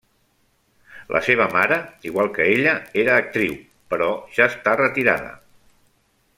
La seva mare, igual que ella, era actriu, però ja està retirada.